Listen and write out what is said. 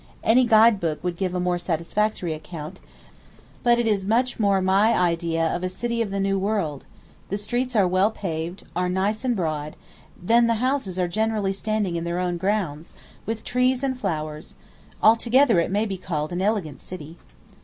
Any guide book would give a more satisfactory account, but it is much more my idea of a city of the New World; the streets are well paved, are nice and broad; then the houses are generally standing in their own grounds, with trees and flowers; altogether it may be called an "elegant" city.